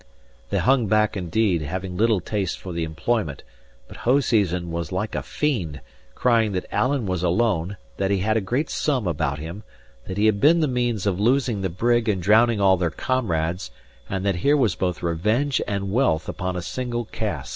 They hung back indeed, having little taste for the employment; but Hoseason was like a fiend, crying that Alan was alone, that he had a great sum about him, that he had been the means of losing the brig and drowning all their comrades, and that here was both revenge and wealth upon a single cast.